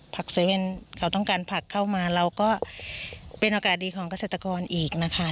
๗๑๑เขาต้องการผักเข้ามาเราก็เป็นโอกาสดีของเกษตรกรอีกนะคะ